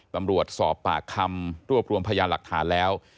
ตำรวจสอบปากคำรวบรวมพยานหลักฐานแล้ว